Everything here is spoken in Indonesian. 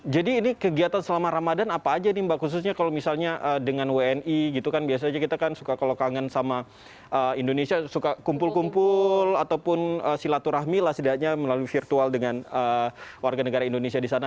jadi ini kegiatan selama ramadan apa aja nih mbak khususnya kalau misalnya dengan wni gitu kan biasanya kita kan suka kalau kangen sama indonesia suka kumpul kumpul ataupun silaturahmi lah setidaknya melalui virtual dengan warga negara indonesia di sana